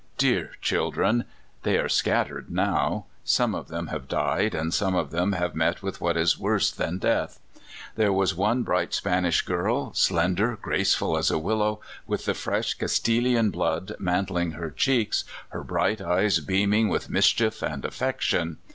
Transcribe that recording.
Dear children ! they are scattered now. Some of them have died, and some of them have met with what is worse than death. There was one bright Spanish girl, slender, graceful as a willow, with the fresh Castilian blood mantling her cheeks, her bright eyes beaming with mischief and affection.